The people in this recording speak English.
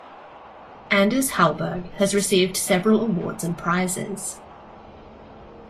Anders Hallberg has received several awards and prizes.